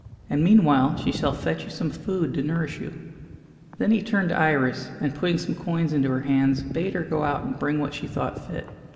And meanwhile, she shall fetch you some food to nourish you." Then he turned to Iris, and putting some coins into her hands bade her go out and bring what she thought fit.